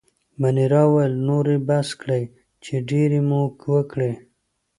مانیرا وویل: نور يې بس کړئ، چې ډېرې مو وکړې.